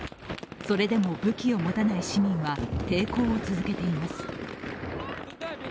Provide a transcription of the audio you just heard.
それでも武器を持たない市民は抵抗を続けています。